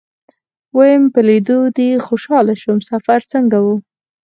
ويم په ليدو دې خوشاله شوم سفر څنګه و.